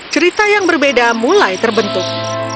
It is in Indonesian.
cerita yang berbeda mulai terbentuk